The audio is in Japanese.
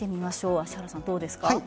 芦原さん、どうですか？